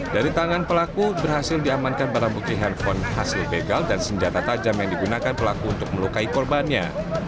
dari tangan pelaku berhasil diamankan barang bukti handphone hasil begal dan senjata tajam yang digunakan pelaku untuk melukai korbannya